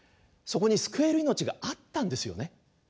そこに救える命があったんですよね。